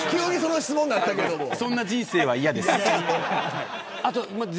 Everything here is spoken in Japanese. そんな人生は嫌です。